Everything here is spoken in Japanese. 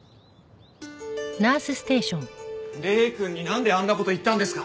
礼くんになんであんな事言ったんですか！？